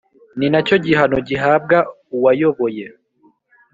Ni nacyo gihano gihabwa uwayoboye